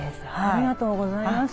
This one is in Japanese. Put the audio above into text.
ありがとうございます。